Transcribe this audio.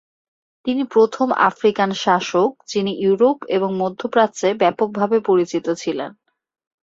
তিনি প্রথম আফ্রিকান শাসক যিনি ইউরোপ এবং মধ্যপ্রাচ্যে ব্যাপকভাবে পরিচিত ছিলেন।